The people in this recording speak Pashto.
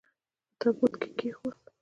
په تابوت کې یې کښېښود.